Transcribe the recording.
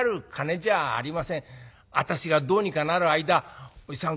私がどうにかなる間おじさん